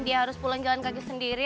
dia harus pulang jalan kaki sendiri